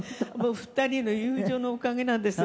２人の友情のおかげなんですよ。